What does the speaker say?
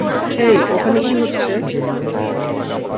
হেই, ওখানে কী হচ্ছে?